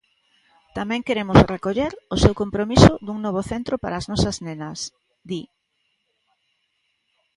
"Tamén queremos recoller o seu compromiso dun novo centro para as nosas nenas", di.